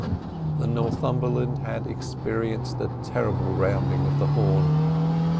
The Northumberland had experienced a terrible rounding of the Horn.